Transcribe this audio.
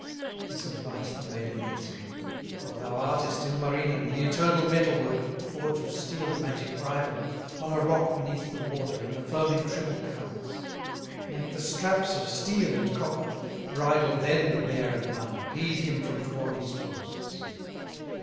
This advice the maiden gives him: "O thou artist, Ilmarinen, The eternal metal worker, Forge of steel a magic bridle, On a rock beneath the water, In the foaming triple currents; Make the straps of steel and copper, Bridle then the bear of Mana, Lead him from Tuoni's forests."